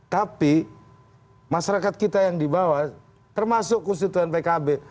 tapi masyarakat kita yang dibawa termasuk konstituen pkb